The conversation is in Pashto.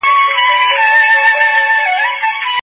نفسي خواهشات نه ستایل کېږي.